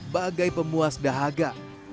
bagai pemuas dahaga